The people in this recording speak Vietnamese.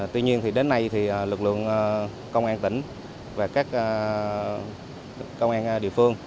tuy nhiên đến nay thì lực lượng công an tỉnh và các công an địa phương